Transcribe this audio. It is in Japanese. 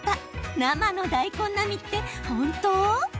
生の大根並みって本当？